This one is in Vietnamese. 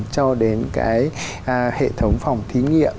cho đến cái hệ thống phòng thí nghiệm